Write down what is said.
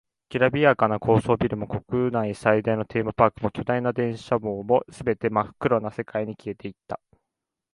きらびやかな高層ビルも、国内最大のテーマパークも、巨大な電車網も、全て真っ暗な世界に消えていった。